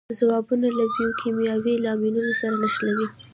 ځوابونه له بیوکیمیاوي لاملونو سره نښلوي.